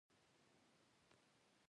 په موجوده بنسټونو کې یې ګټې نغښتې وې.